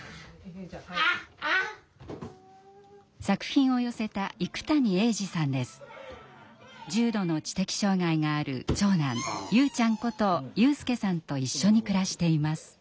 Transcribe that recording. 作品を寄せた重度の知的障害がある長男友ちゃんこと友祐さんと一緒に暮らしています。